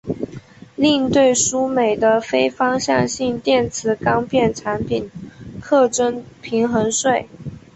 另对输美的非方向性电磁钢片产品课征平衡税。